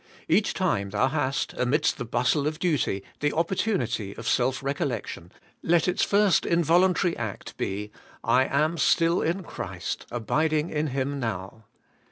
Each time thou hast, amidst the bustle of duty, the opportunity of self recollection, let its first involuntary act be: 'I am still in Christ, abiding in Him now.'